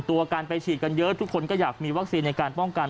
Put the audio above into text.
ทุกคนก็อยากมีวัคซีนในการป้องกัน